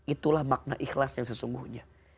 itulah makna ikhlas yang sesungguhnya